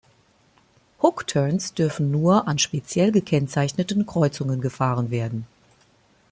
Hook turns dürfen nur an speziell gekennzeichneten Kreuzungen gefahren werden.